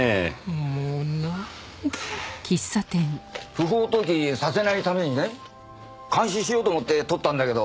不法投棄させないためにね監視しようと思って撮ったんだけど。